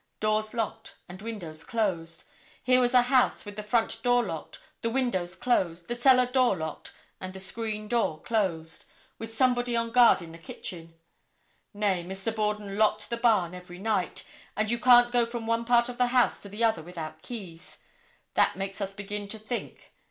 Doors locked and windows closed. Here was a house with the front door locked, the windows closed, the cellar door locked and the screen door closed, with somebody on guard in the kitchen. Nay, Mr. Borden locked the barn every night, and you can't go from one part of the house to the other without keys. That makes us begin to think.